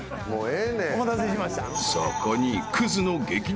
［そこに］